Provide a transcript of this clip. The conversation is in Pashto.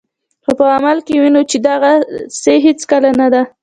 خو په عمل کې وینو چې داسې هیڅکله نه ده.